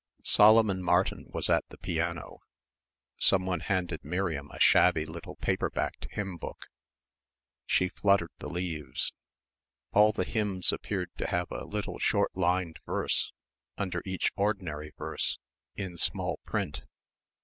Solomon Martin was at the piano. Someone handed Miriam a shabby little paper backed hymn book. She fluttered the leaves. All the hymns appeared to have a little short lined verse, under each ordinary verse, in small print.